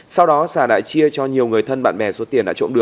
sau đó sà đã chia cho nhiều người thân bạn bè số tiền